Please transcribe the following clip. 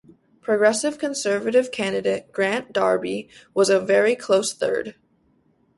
Progressive Conservative candidate Grant Darby was a very close third.